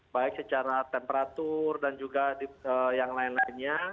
baik secara temperatur dan juga yang lain lainnya